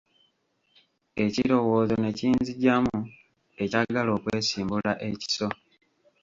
Ekirowoozo ne kinzijamu ekyagala okwesimbula ekiso.